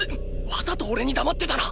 わざとおれに黙ってたな！